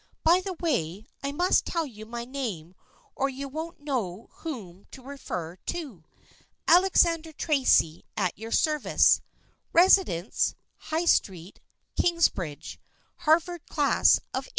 By the way, I must tell you my name or you won't know whom THE FRIENDSHIP OF ANNE 127 to refer to. Alexander Tracy at your service, Residence, High Street, Kingsbridge, Harvard Class of '82.